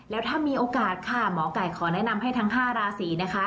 แล้วถ้ามีโอกาสค่ะหมอไก่ขอแนะนำให้ทั้ง๕ราศีนะคะ